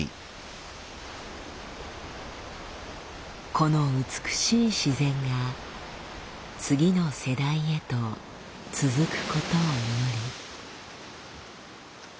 この美しい自然が次の世代へと続くことを祈り。